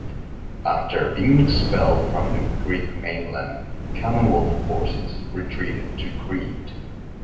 After being expelled from the Greek mainland, Commonwealth forces retreated to Crete.